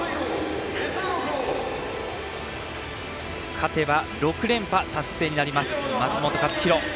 勝てば６連覇達成になります松元克央。